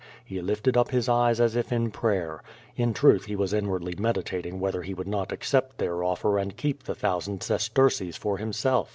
He lifted up his eyes as ' if in prayer. In truth he was inwardly meditating whether he would not accept their offer and keep the thousand ses terces for himself.